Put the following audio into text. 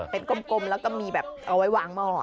เป็นกลมแล้วก็มีแบบเอาไว้วางหม้อ